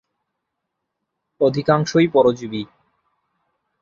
অধিকাংশই পরজীবী।